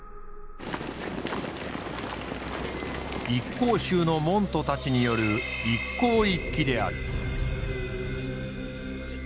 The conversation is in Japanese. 一向宗の門徒たちによる一向一揆である。